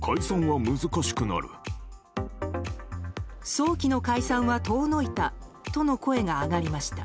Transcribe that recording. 早期の解散は遠のいたとの声が上がりました。